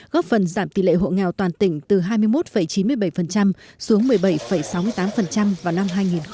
góp phần giảm tỷ lệ hộ nghèo toàn tỉnh từ hai mươi một chín mươi bảy xuống một mươi bảy sáu mươi tám vào năm hai nghìn một mươi năm